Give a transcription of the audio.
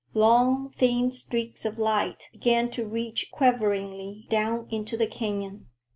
Long, thin streaks of light began to reach quiveringly down into the canyon.